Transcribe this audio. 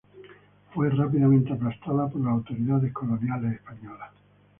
Fue rápidamente aplastada por las autoridades coloniales españolas.